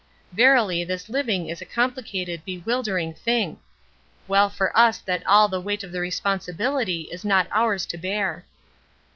Verily this living is a complicated bewildering thing Well for us that all the weight of the responsibility is not ours to bear.